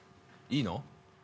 いいの？